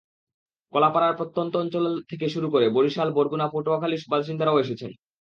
কলাপাড়ার প্রত্যন্ত অঞ্চল থেকে শুরু করে বরিশাল, বরগুনা, পটুয়াখালীর বাসিন্দারাও এসেছেন।